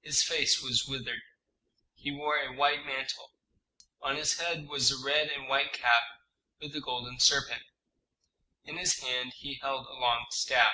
His face was withered. He wore a white mantle; on his head was a red and white cap with a golden serpent; in his hand he held a long staff.